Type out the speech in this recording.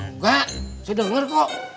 nggak saya denger kok